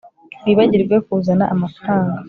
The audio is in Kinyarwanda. Wibagiwe kuzana amafaranga